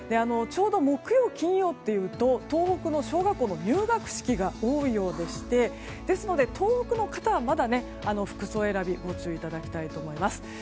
ちょうど木曜、金曜というと東北の小学校の入学式が多いようでしてですので、東北の方はまだ服装選びご注意いただきたいと思います。